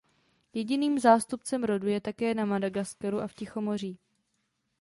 Jediným zástupcem rodu je také na Madagaskaru a v Tichomoří.